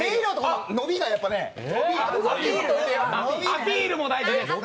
アピールも大事です。